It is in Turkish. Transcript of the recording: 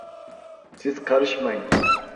Siz karışmayın.